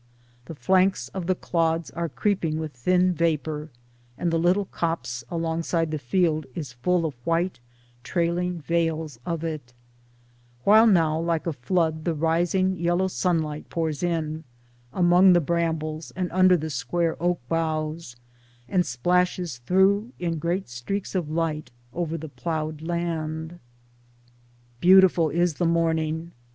The flanks of the clods are creeping with thin vapor, and the little copse alongside the field is full of white trailing veils of it; While now like a flood the rising yellow sunlight pours in, among the brambles and under the square oak boughs, and splashes through in great streaks of light over the ploughed land. Beautiful is the morning.